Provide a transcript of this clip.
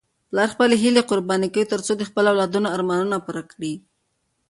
پلار خپلې هیلې قرباني کوي ترڅو د خپلو اولادونو ارمانونه پوره کړي.